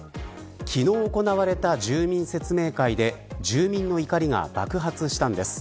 昨日行われた住民説明会で住民の怒りが爆発したんです。